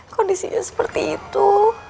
kondisinya seperti itu